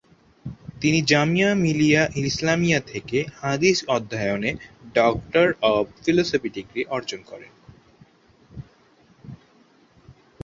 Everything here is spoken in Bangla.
তিনি জামিয়া মিলিয়া ইসলামিয়া থেকে হাদিস অধ্যয়নে ডক্টর অব ফিলোসফি ডিগ্রী অর্জন করেন।